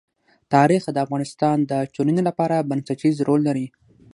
تاریخ د افغانستان د ټولنې لپاره بنسټيز رول لري.